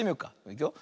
いくよ。